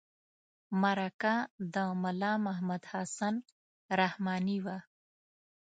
مرکه د ملا محمد حسن رحماني وه.